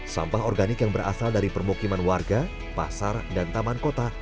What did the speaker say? sampah organik yang berasal dari permukiman warga pasar dan taman kota